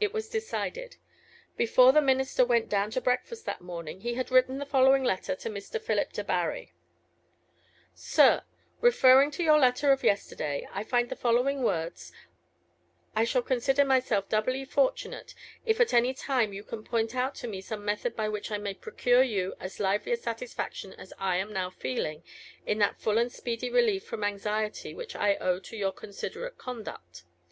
It was decided. Before the minister went down to breakfast that morning he had written the following letter to Mr. Philip Debarry: SIR, Referring to your letter of yesterday, I find the following words: "I shall consider myself doubly fortunate if at any time you can point out to me some method by which I may procure you as lively a satisfaction as I am now feeling, in that full and speedy relief from anxiety which I owe to your considerate conduct."